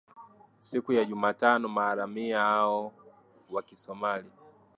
siku ya jumatano maharamia hao wa kisomali